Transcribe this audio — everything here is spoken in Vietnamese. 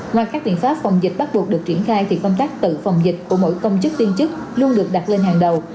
ngoài các biện pháp phòng dịch bắt buộc được triển khai thì công tác tự phòng dịch của mỗi công chức viên chức luôn được đặt lên hàng đầu